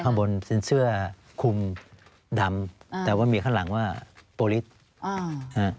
ข้างบนเสื้อคูมดำแต่มีข้านหลังว่าผู้ฤทธิ์